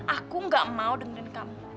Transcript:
aku gak mau dengerin kamu